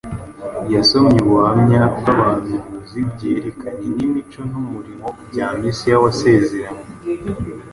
Yasomye ubuhamya bw’abahanuzi ku byerekeranye n’imico n’umurimo bya Mesiya wasezeranywe,